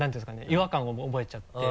違和感を覚えちゃって。